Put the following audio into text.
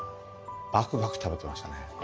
バクバク食べてましたね。